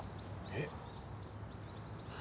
えっ？